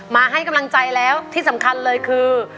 มาให้กำลังใจแล้วที่สำคัญเลยคือ